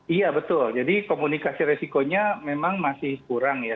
iya betul jadi komunikasi resikonya memang masih kurang ya